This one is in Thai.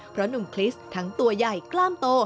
เพราะหนุ่มคริสต์ทั้งตัวใหญ่กล้ามโต